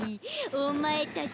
お前たちに。